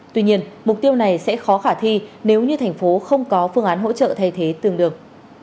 tuy nhiên mục tiêu này sẽ khó khả thi nếu như thành phố không có phương án hỗ trợ thay thế tương đương